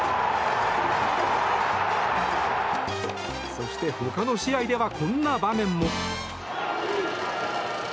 そして他の試合ではこんな場面も。